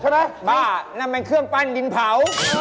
ราบบุรีอ่ะ